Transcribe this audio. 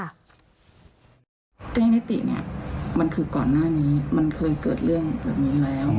แจ้งนิติเนี่ยมันคือก่อนหน้านี้มันเคยเกิดเรื่องแบบนี้แล้ว